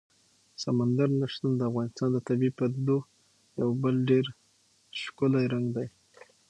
سمندر نه شتون د افغانستان د طبیعي پدیدو یو بل ډېر ښکلی رنګ دی.